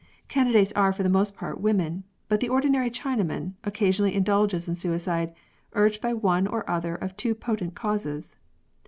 Candidates are for the most part women, but the ordinary Chinaman occasionally indulges in suicide, urged by one or other of two potent causes.